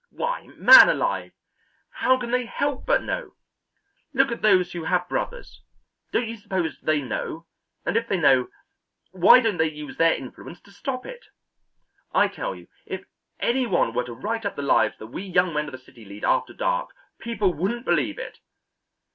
Why, man alive, how can they help but know? Look at those that have brothers don't you suppose they know, and if they know, why don't they use their influence to stop it? I tell you if any one were to write up the lives that we young men of the city lead after dark, people wouldn't believe it.